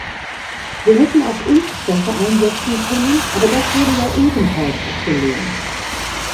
Wir hätten auch Impfstoffe einsetzen können, aber das wurde ja ebenfalls abgelehnt.